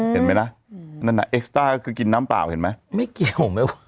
เห็นไหมนะนั่นน่ะเอ็กซ่าก็คือกินน้ำเปล่าเห็นไหมไม่เกี่ยวไม่ไหว